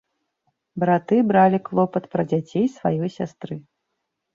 Браты бралі клопат пра дзяцей сваёй сястры.